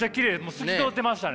透き通ってましたね。